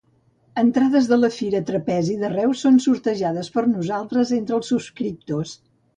Entrades de la Fira Trapezi de Reus són sortejades per nosaltres entre els subscriptors.